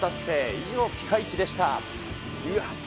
以上、ピカイチでした。